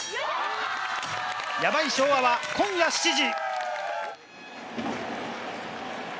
「ヤバい昭和」は今夜７時！